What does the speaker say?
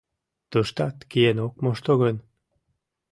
Туштат киен ок мошто гын